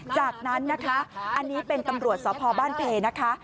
จากนั้นนะคะอันนี้เป็นตำรวจสพบ้านเพนะคะ